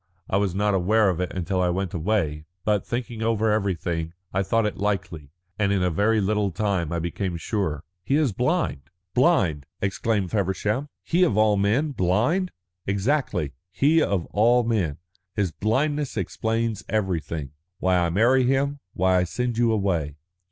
I was not aware of it until I went away, but, thinking over everything, I thought it likely, and in a very little time I became sure." "He is blind." "Blind!" exclaimed Feversham. "He, of all men, blind!" "Exactly," said Ethne. "He of all men. His blindness explains everything why I marry him, why I send you away.